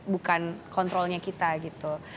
bukan kontrolnya kita gitu